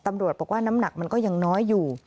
ตำรวจบอกว่าน้ำหนักมันก็ยังน้อยอยู่